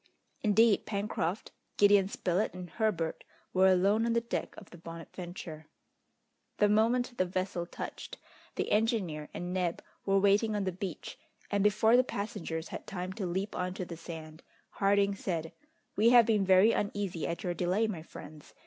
Indeed Pencroft, Gideon Spilett, and Herbert were alone on the deck of the Bonadventure. The moment the vessel touched, the engineer and Neb were waiting on the beach, and before the passengers had time to leap on to the sand, Harding said: "We have been very uneasy at your delay, my friends!